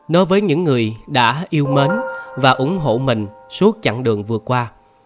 đối với những người đã yêu mến và ủng hộ mình suốt chặng đường vừa qua